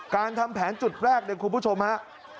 การทำแผนจุดแรกเดี๋ยวคุณผู้ชมครับ